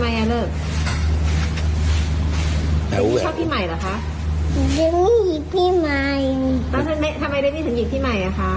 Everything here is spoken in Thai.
แดมมี่หยีกพี่ใหม่แล้วทำไมแดมมี่ถึงหยีกพี่ใหม่อ่ะคะ